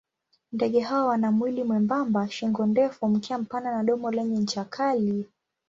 Ndege hawa wana mwili mwembamba, shingo ndefu, mkia mpana na domo lenye ncha kali.